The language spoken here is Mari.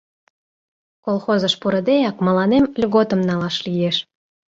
Колхозыш пурыдеак мыланем льготым налаш лиеш...